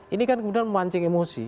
ini kan kemudian memancing emosi